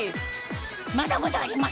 まだまだあります